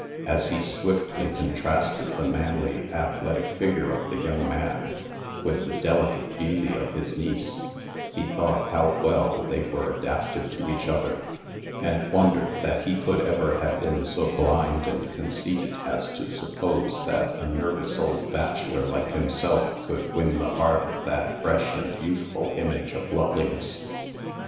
As he swiftly contrasted the manly, athletic figure of the young man, with the delicate beauty of his niece, he thought how well they were adapted to each other; and wondered that he could ever have been so blind and conceited as to suppose that a nervous old bachelor like himself could win the heart of that fresh and youthful image of loveliness.